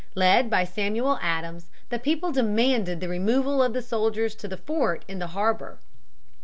Led by Samuel Adams, the people demanded the removal of the soldiers to the fort in the harbor.